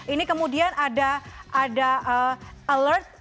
ini kemudian ada alert